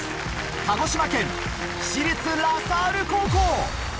鹿児島県私立ラ・サール高校